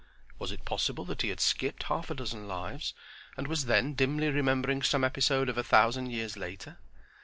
Was it possible that he had skipped half a dozen lives and was then dimly remembering some episode of a thousand years later?